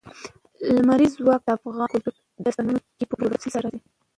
لمریز ځواک د افغان کلتور په داستانونو کې په پوره تفصیل سره راځي.